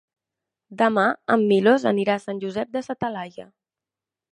Demà en Milos anirà a Sant Josep de sa Talaia.